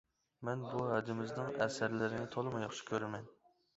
مەن بۇ ھەدىمىزنىڭ ئەسەرلىرىنى تولىمۇ ياخشى كۆرىمەن.